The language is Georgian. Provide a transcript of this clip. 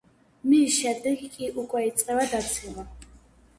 მის შემდეგ კი უკვე იწყება დაცემა.